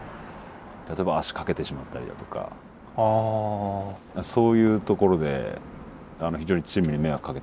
例えば足かけてしまったりだとかそういうところで非常にチームに迷惑かけた部分もありましたけどね。